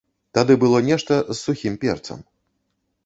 Тады было нешта з сухім перцам.